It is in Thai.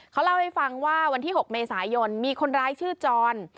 เขาเล่าให้ฟังว่าวันที่๖เมษายนมีคนร้ายชื่อจร